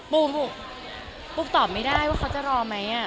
ปูปุ๊กตอบไม่ได้ว่าเขาจะรอไหม